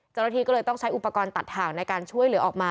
เจ้าหน้าที่ก็เลยต้องใช้อุปกรณ์ตัดถ่างในการช่วยเหลือออกมา